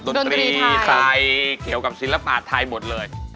ดนตรีไทยเกี่ยวกับศิลปะไทยหมดเลย